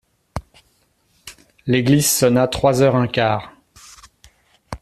L'église sonna trois heures un quart.